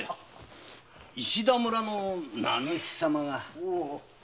石田村の名主様が。